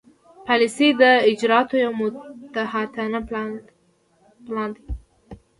پالیسي د اجرااتو یو محتاطانه پلان دی.